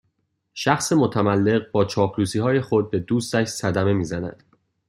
شخص متملق با چاپلوسیهای خود به دوستش صدمه میزند